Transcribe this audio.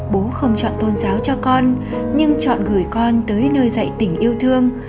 bố không chọn tôn giáo cho con nhưng chọn gửi con tới nơi dạy tình yêu thương